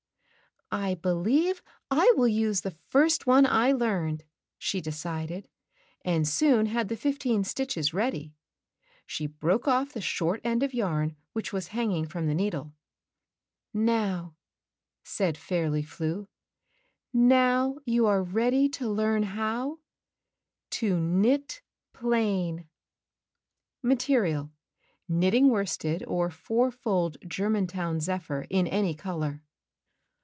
''I believe I will use the'^Yig, first one I learned," she decided, and soon had the fifteen stitches ready. She broke off the short end of yarn which was hanging from the needle. "Now," said Fairly Flew, "now, you are ready to learn how — Keep atill , Crow Slb^o' 162 Knitting and Crocheting Book knot!" To Knit Plain Material: Knitting worsted or four fold German town zephyr in any color.